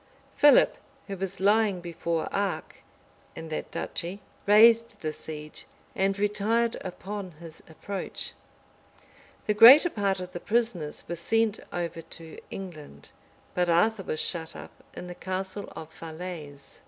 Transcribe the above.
Philip, who was lying before Arques, in that duchy, raised the siege and retired upon his approach. The greater part of the prisoners were sent over to England, but Arthur was shut up in the castle of Falaise.